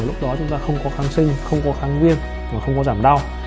lúc đó chúng ta không có kháng sinh không có kháng viêm không có giảm đau